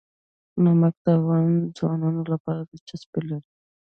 نمک د افغان ځوانانو لپاره دلچسپي لري.